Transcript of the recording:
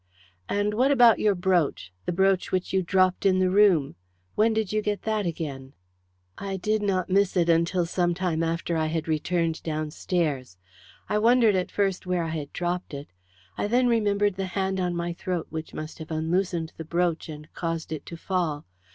"And what about your brooch the brooch which you dropped in the room. When did you get that again?" "I did not miss it until some time after I had returned downstairs. I wondered at first where I had dropped it. I then remembered the hand on my throat, which must have unloosened the brooch and caused it to fall.